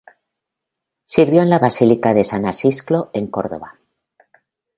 Sirvió en la basílica de San Acisclo en Córdoba.